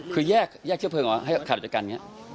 คือแยกเชื้อเพลิงให้กระดูกจังละ